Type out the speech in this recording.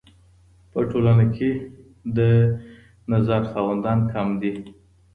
په ټولنه کي د نظر خاوندان کم دي.